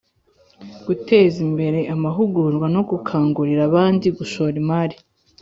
guteza imbere amahugurwa no gukangurira abandi gushora imari